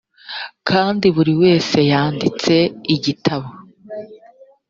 kandi buri wese yanditse igitabo